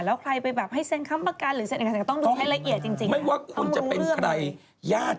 แล้วใครไปให้เซ็นคำประการหรือเซ็นอากาศ